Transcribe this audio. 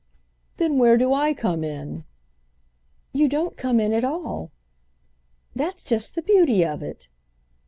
"Then where do I come in?" "You don't come in at all. That's just the beauty of it!"